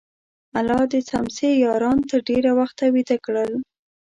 الله د څمڅې یاران تر ډېره وخته ویده کړل.